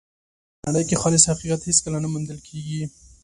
په نړۍ کې خالص حقیقت هېڅکله نه موندل کېږي.